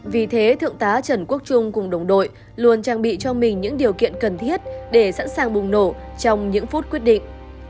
vì thế thượng tá trần quốc trung cùng đồng đội luôn trang bị cho mình những điều kiện cần thiết để sẵn sàng bùng nổ trong những phút quyết định